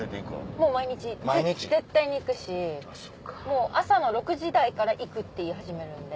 もう毎日絶対に行くしもう朝の６時台から行くって言い始めるんで。